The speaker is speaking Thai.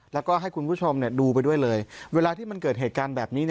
แล้วก็ให้คุณผู้ชมดูไปด้วยเลยเวลาที่มันเกิดเหตุการณ์แบบนี้